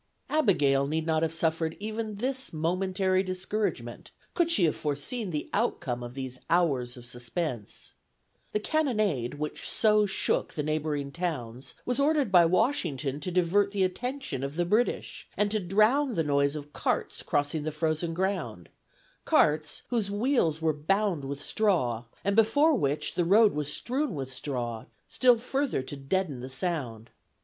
Abigail need not have suffered even this momentary discouragement, could she have foreseen the outcome of these hours of suspense. The cannonade which so shook the neighboring towns was ordered by Washington to divert the attention of the British, and to drown the noise of carts crossing the frozen ground: carts whose wheels were bound with straw, and before which the road was strewn with straw, still further to deaden the sound.